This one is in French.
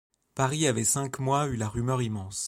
Paris avait cinq mois eu la rumeur immense